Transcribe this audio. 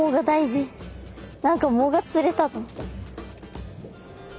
何か藻が釣れたと思った。